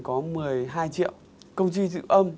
có một mươi hai triệu công ty dự âm